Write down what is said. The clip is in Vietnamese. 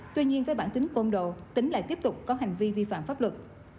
tuy nhiên với bản tính công độ tính lại tiếp tục có hành vi vi phạm pháp luật